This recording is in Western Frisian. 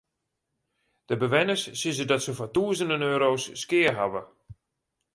De bewenners sizze dat se foar tûzenen euro's skea hawwe.